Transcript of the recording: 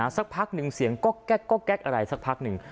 สักพักหนึ่งเสียงก็แก๊กอะไรสักพักหนึ่ง